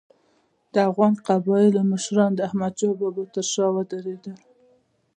د افغان قبایلو مشران د احمدشاه بابا تر شا ودرېدل.